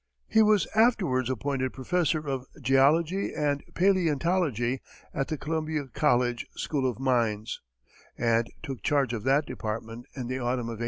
He was afterwards appointed professor of geology and paleontology at the Columbia College School of Mines, and took charge of that department in the autumn of 1866.